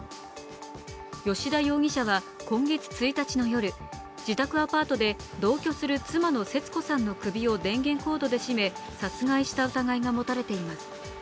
吉田容疑者は今月１日の夜、自宅アパートで同居する妻の節子さんの首を電源コードで絞め殺害した疑いが持たれています。